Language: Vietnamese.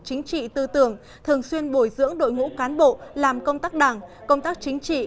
chính trị tư tưởng thường xuyên bồi dưỡng đội ngũ cán bộ làm công tác đảng công tác chính trị